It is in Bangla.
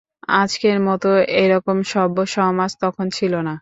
আজকের মতো এরকম সভ্য সমাজ তখন ছিল না।